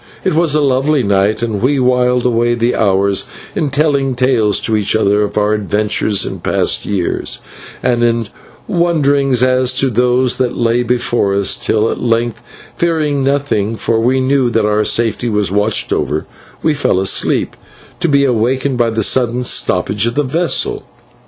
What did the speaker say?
It was a lovely night and we whiled away the hours in telling tales to each other of our adventures in past years, and in wonderings as to those that lay before us, till at length, fearing nothing, for we knew that our safety was watched over, we fell asleep, to be awakened by the sudden stoppage of the vessel.